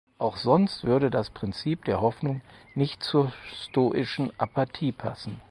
Auch sonst würde das Prinzip der Hoffnung nicht zur stoischen Apathie passen.